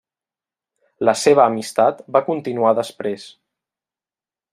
La seva amistat va continuar després.